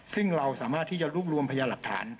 ซึ่งเราสามารถที่จะรวบรวมพยาหลักฐาน